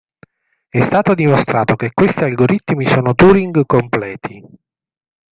È stato dimostrato che questi algoritmi sono Turing completi.